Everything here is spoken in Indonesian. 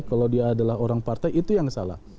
kalau dia adalah orang partai itu yang salah